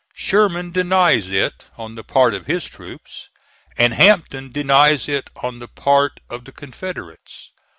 Sherman denies it on the part of his troops, and Hampton denies it on the part of the Confederates.